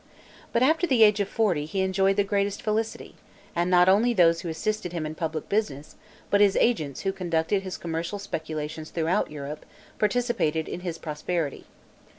But after the age of forty, he enjoyed the greatest felicity; and not only those who assisted him in public business, but his agents who conducted his commercial speculations throughout Europe, participated in his prosperity.